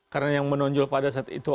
karena yang menonjol pada saat itu